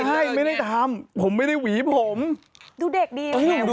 ไม่ใช่ไม่ได้ทำผมไม่ได้ทำ